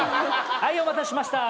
はいお待たせしました。